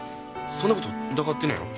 そんなこと疑ってねえよ。